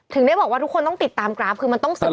ถึงได้บอกว่าทุกคนต้องติดตามกราฟคือมันต้องศึก